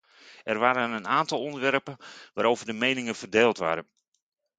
Er waren een aantal onderwerpen waarover de meningen verdeeld waren.